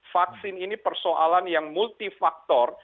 vaksin ini persoalan yang multifaktor